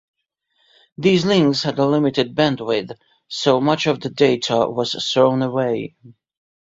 These links had a limited bandwidth so much of the data was thrown away.